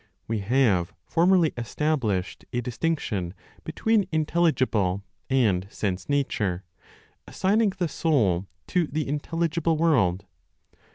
We have formerly established a distinction between intelligible and sense nature, assigning the soul to the intelligible world.